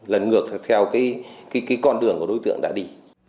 lần ngược theo cái con đường của đối tượng đã đi